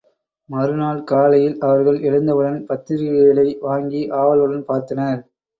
மறுநாள் காலையில் அவர்கள் எழுந்தவுடன் பத்திரிகைகளை வாங்கி ஆவலுடன் பார்த்தனர்.